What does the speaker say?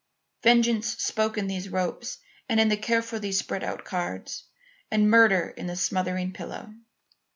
Vengeance spoke in those ropes and in the carefully spread out cards, and murder in the smothering pillow.